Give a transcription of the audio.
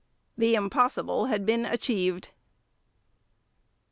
The impossible had been achieved.